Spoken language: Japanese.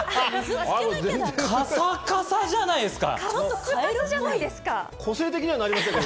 カサカサじゃないですか。